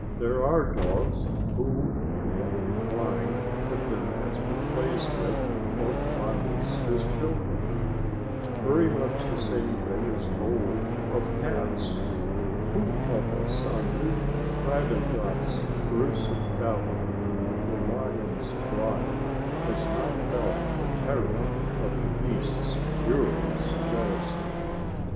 There are dogs who begin to whine if their master plays with or fondles his children. Very much the same thing is told of cats. Who of us on reading Freiligrath's gruesome ballad, "The Lion's Bride," has not felt the terror of the beast's furious jealousy?